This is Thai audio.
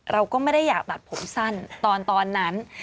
เราก็ไม่ได้อยากตัดผมสั้นตอนนั้น